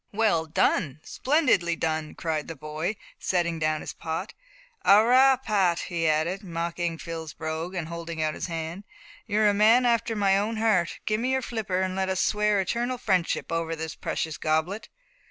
"Well done! splendidly done!" cried the boy, setting down his pot. "Arrah! Pat," he added, mocking Phil's brogue, and holding out his hand, "you're a man after my own heart; give me your flipper, and let us swear eternal friendship over this precious goblet."